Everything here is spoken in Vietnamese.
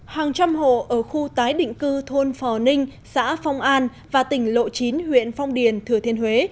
hàng trăm hộ ở khu tái định cư thôn phò ninh xã phong an và tỉnh lộ chín huyện phong điền thừa thiên huế